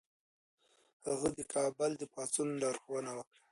هغه د کابل د پاڅون لارښوونه وکړه.